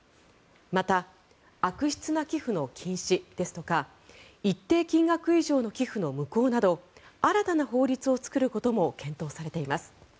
また、悪質な寄付の禁止ですとか一定金額以上の寄付の無効など新たな法律を作ることも検討されています。